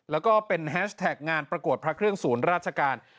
แล้วก็เป็นแฮชแท็กงานประกวดพระเครื่องศูนย์ราชการ